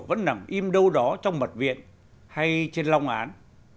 vẫn nằm im đâu đó trong mật viện hay trên long án